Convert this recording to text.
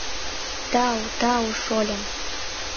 — Тау, тау, шольым!